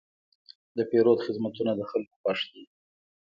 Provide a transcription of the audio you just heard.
د پیرود خدمتونه د خلکو خوښ دي.